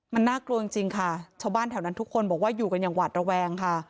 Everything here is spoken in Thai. มันน่ากลัวจริงค่ะชาวบ้านแถวนั้นทุกคนบอกว่าอยู่กันอย่างหวาดระแวงค่ะ